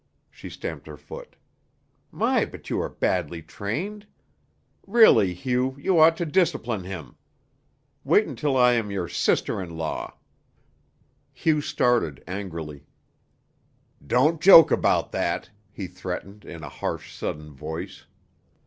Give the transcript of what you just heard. She stamped her foot. "My, but you are badly trained. Really, Hugh, you ought to discipline him. Wait until I am your sister in law." Hugh started angrily. "Don't joke about that!" he threatened in a harsh, sudden voice.